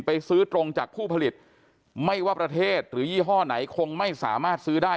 ไปซื้อตรงจากผู้ผลิตไม่ว่าประเทศหรือยี่ห้อไหนคงไม่สามารถซื้อได้